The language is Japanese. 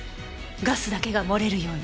ガスだけが漏れるように。